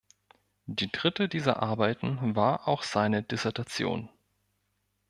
Die dritte dieser Arbeiten war auch seine Dissertation.